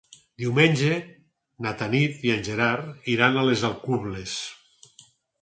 Diumenge na Tanit i en Gerard iran a les Alcubles.